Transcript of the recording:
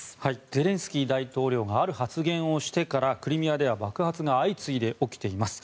ゼレンスキー大統領がある発言をしてからクリミアでは爆発が相次いで起きています。